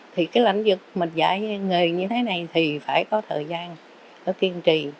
thì cái lãnh vực mình dạy nghề như thế này thì phải có thời gian nó kiên trì